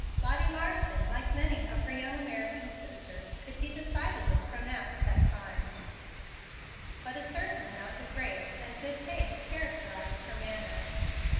Lottie Marsden, like many of her young American sisters, could be decidedly pronounced at times; but a certain amount of grace and good taste characterized her manner.